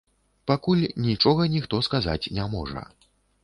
Пакуль нічога ніхто сказаць не можа.